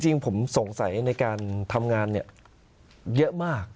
จริงผมสงสัยในการทำงานเยอะมาก